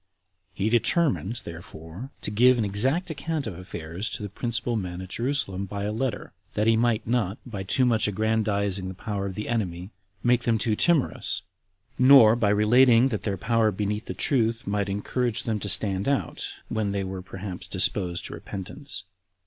He determined, therefore, to give an exact account of affairs to the principal men at Jerusalem by a letter, that he might not, by too much aggrandizing the power of the enemy, make them too timorous; nor, by relating that their power beneath the truth, might encourage them to stand out when they were perhaps disposed to repentance.